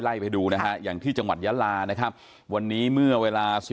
ให้ดูอย่างที่จังหวัดยาลาวันนี้เมื่อเวลา